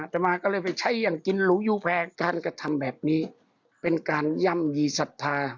ต่อมาก็เลยไปใช้อย่างกินหรูยูแฟร์การกระทำแบบนี้เป็นการย่ำยีศรัทธา